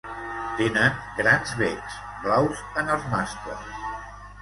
Tenen grans becs, blaus en els mascles.